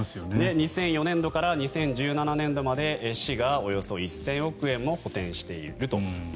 ２００４年度から２０１７年度まで市がおよそ１０００億円も補てんしていると。